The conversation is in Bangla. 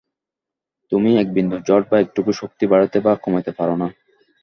তুমি একবিন্দু জড় বা একটুকু শক্তি বাড়াইতে বা কমাইতে পার না।